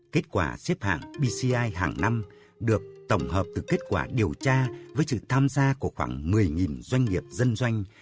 kết quả xếp hạng bci hàng năm được tổng hợp từ kết quả điều tra với sự tham gia của khoảng một mươi doanh nghiệp dân doanh